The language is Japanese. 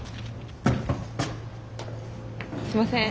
すいません。